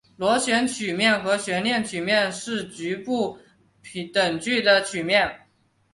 螺旋曲面和悬链曲面是局部等距的曲面。